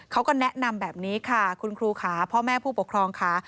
เขาก็แนะนำแบบนี้ค่ะคุณครูค่ะพ่อแม่ผู้ปกครองค่ะ